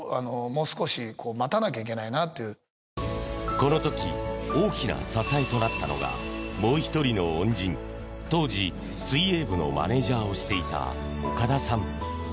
この時大きな支えとなったのがもう１人の恩人当時、水泳部のマネジャーをしていた岡田さん。